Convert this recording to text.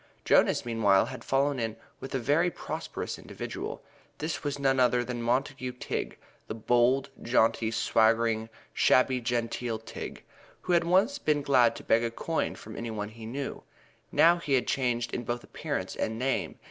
Jonas, meanwhile, had fallen in with a very prosperous individual. This was none other than Montague Tigg, the bold, jaunty, swaggering, shabby genteel Tigg, who had once been glad to beg a coin from any one he knew. Now he had changed in both appearance and name.